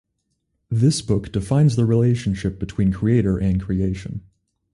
This book defines the relationship between creator and creation.